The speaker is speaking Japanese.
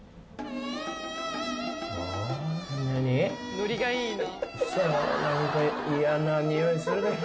ノリがいいな。